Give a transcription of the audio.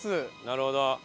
なるほど。